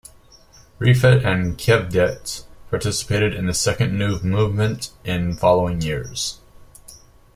Rifat and Cevdet participated in the Second New Movement in following years.